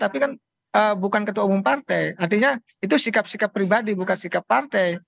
tapi kan bukan ketua umum partai artinya itu sikap sikap pribadi bukan sikap partai